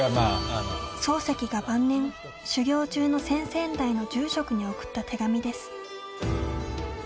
漱石が晩年修行中の先々代の住職に送った手紙です。